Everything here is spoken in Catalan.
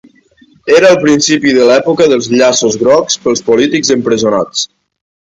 Era el principi de l'època dels llaços grocs pels polítics empresonats.